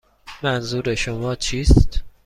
منظور شما چیست؟